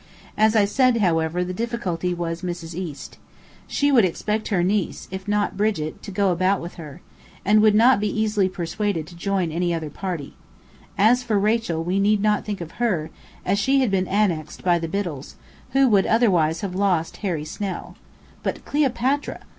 As I said, however, the difficulty was Mrs. East. She would expect her niece if not Brigit to go about with her, and would not be easily persuaded to join any other party. As for Rachel, we need not think of her, as she had been annexed by the Biddells, who would otherwise have lost Harry Snell. But Cleopatra!